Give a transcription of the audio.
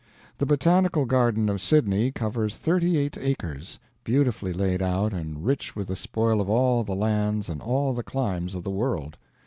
The botanical garden of Sydney covers thirty eight acres, beautifully laid out and rich with the spoil of all the lands and all the climes of the world.